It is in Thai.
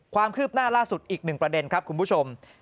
ความคืบหน้าล่าสุดอีกหนึ่งประเด็นครับคุณผู้ชม